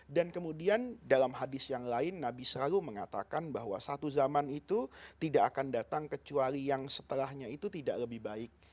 dan kemudian dalam hadis yang lain nabi selalu mengatakan bahwa satu zaman itu tidak akan datang kecuali yang setelahnya itu tidak lebih baik